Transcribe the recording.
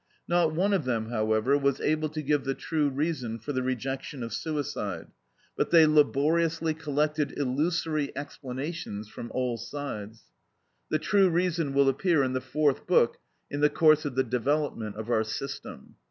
Not one of them, however, was able to give the true reason for the rejection of suicide, but they laboriously collected illusory explanations from all sides: the true reason will appear in the Fourth Book in the course of the development of our system.